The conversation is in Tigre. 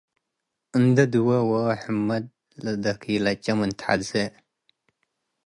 እንዴ ድዌ ዎ ሕ’መድ ለደኪለቼ ምን ተሐዜ